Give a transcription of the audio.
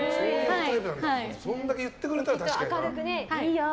そんだけ言ってくれたら確かにね。